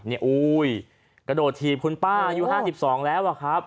เนี่ยโอ้ยกระโดดทีบคุณป้าอายุห้าสิบสองแล้วอ่ะครับ